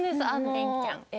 天ちゃん。